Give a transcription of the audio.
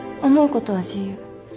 思うことは自由。